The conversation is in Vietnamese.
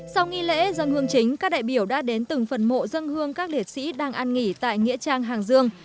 sau nghi lễ dân hương chính các đại biểu đã đến từng phần mộ dân hương các liệt sĩ đang an nghỉ tại nghĩa trang hàng dương